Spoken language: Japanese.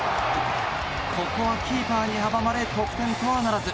ここはキーパーに阻まれ得点とはならず。